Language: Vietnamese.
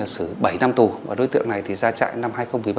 xử bảy năm tù và đối tượng này thì ra trại năm hai nghìn một mươi ba